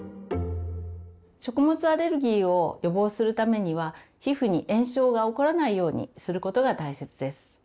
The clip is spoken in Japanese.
食物アレルギーを予防するためには皮膚に炎症が起こらないようにすることが大切です。